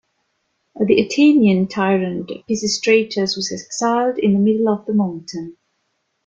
The Athenian tyrant Pisistratus was exiled in the middle of the mountain.